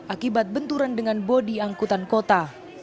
akibat benturan dengan bodi angkutan kota